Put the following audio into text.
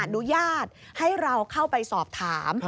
อนุญาตให้เราเข้าไปสอบถาม